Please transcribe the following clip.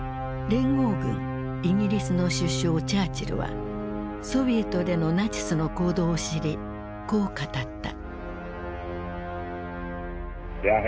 連合軍イギリスの首相チャーチルはソビエトでのナチスの行動を知りこう語った。